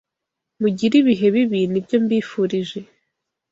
Mugire ibihe bibi nibyo mbifurije